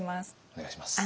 お願いします。